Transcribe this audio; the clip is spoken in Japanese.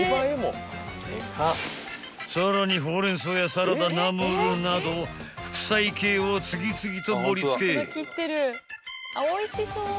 ［さらにホウレンソウやサラダナムルなど副菜系を次々と盛り付け］